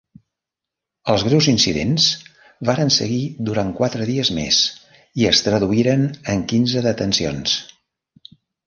Els greus incidents varen seguir durant quatre dies més i es traduïren en quinze detencions.